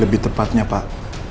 lebih tepatnya pak